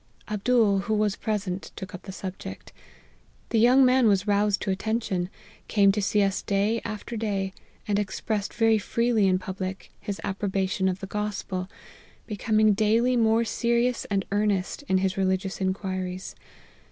Abdool, who was present, took up the subject. The young man was roused to attention, came to see us day after day, and expressed very freely in public his approbation of the Gospel, becoming daily more serious and earnest in his religious inquiries.